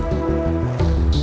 tapi awas parah lajin